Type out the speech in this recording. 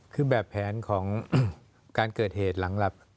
คือแบบแผนของการเกิดเหตุหลังหลับ